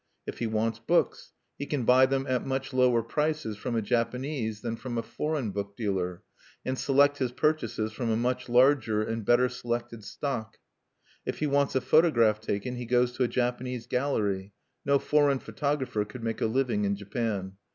If he wants books he can buy them at much lower prices from a Japanese than from a foreign book dealer, and select his purchases from a much larger and better selected stock. If he wants a photograph taken he goes to a Japanese gallery: no foreign photographer could make a living in Japan.